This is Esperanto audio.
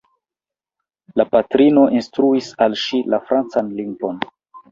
La patrino instruis al ŝi la francan lingvon.